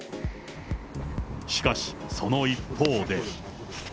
しかし、その一方で。